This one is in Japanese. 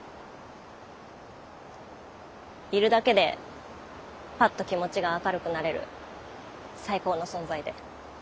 いるだけでパッと気持ちが明るくなれる最高の存在で。